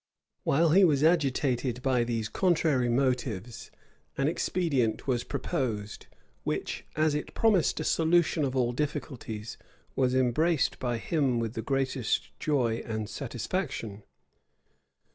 While he was agitated by these contrary motives, an expedient was proposed, which, as it promised a solution of all difficulties, was embraced by him with the greatest joy and satisfaction.